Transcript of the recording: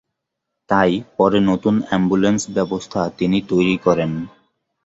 তাই পরে নতুন অ্যাম্বুলেন্স-ব্যবস্থা তিনি তৈরি করেন।